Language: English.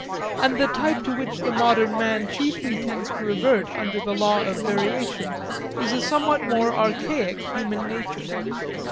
And the type to which the modern man chiefly tends to revert under the law of variation is a somewhat more archaic human nature.